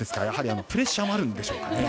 やはりプレッシャーもあるんでしょうか。